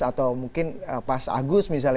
atau mungkin mas agus misalnya